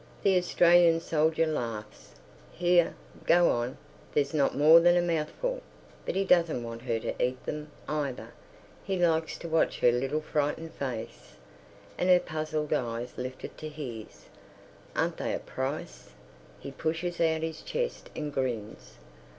The Australian soldier laughs. "Here, go on, there's not more than a mouthful." But he doesn't want her to eat them, either. He likes to watch her little frightened face, and her puzzled eyes lifted to his: "Aren't they a price!" He pushes out his chest and grins.